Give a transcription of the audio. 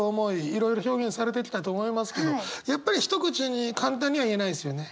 いろいろ表現されてきたと思いますけどやっぱり一口に簡単には言えないですよね。